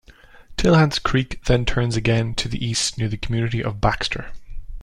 Tilhance Creek then turns again to the east near the community of Baxter.